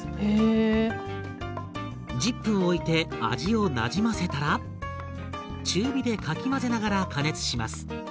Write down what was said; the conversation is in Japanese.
１０分おいて味をなじませたら中火でかき混ぜながら加熱します。